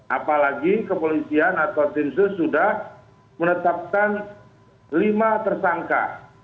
apalagi kepolisian atau tim sus sudah menetapkan lima tersangka